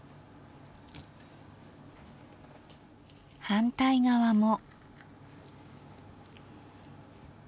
反対側も。